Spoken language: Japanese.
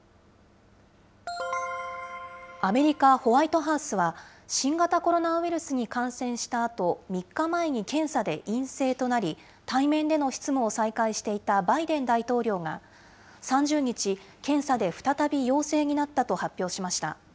アメリカ、ホワイトハウスは新型コロナウイルスに感染したあと３日前に検査で陰性となり、対面での執務を再開していたバイデン大統領が３０日、検査で再び陽性になったと発表しました。